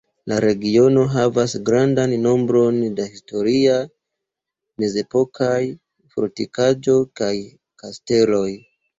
La regiono havas grandan nombron da historiaj mezepokaj fortikaĵo kaj kasteloj.